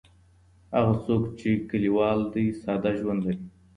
هغه څوک چې کلیوال دی ساده ژوند لري.